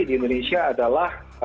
di indonesia adalah